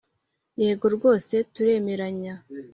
“yego rwose turemeranya